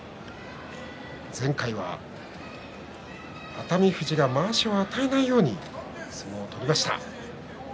前回は熱海富士が、まわしを与えないように取りました。